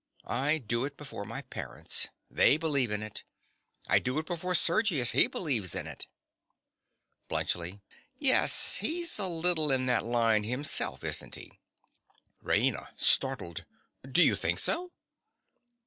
I do it before my parents. They believe in it. I do it before Sergius. He believes in it. BLUNTSCHLI. Yes: he's a little in that line himself, isn't he? RAINA. (startled). Do you think so?